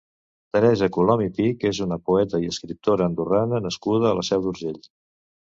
Teresa Colom i Pich és una poeta i escriptora andorrana nascuda a la Seu d'Urgell.